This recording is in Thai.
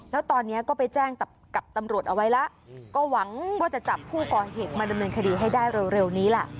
แล้วตอนนี้ก็ไปแจ้งกับตำรวจเอาไว้แล้วก็หวังว่าจะจับผู้ก่อเหตุมาดำเนินคดีให้ได้เร็วนี้ล่ะ